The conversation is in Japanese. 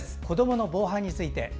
子どもの防犯について。